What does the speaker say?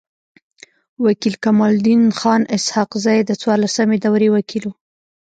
و کيل کمال الدین خان اسحق زی د څوارلسمي دوری وکيل وو.